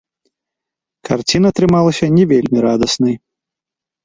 Карціна атрымалася не вельмі радаснай.